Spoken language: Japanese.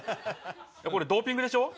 これ、ドーピングでしょ？